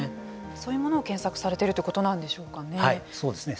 そういうものを検索されているということそうですね。